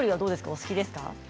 お好きですか？